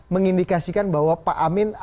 mengindikasikan bahwa pak amin